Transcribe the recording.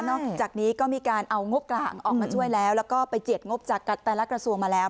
จากนี้ก็มีการเอางบกลางออกมาช่วยแล้วแล้วก็ไปเจียดงบจากแต่ละกระทรวงมาแล้ว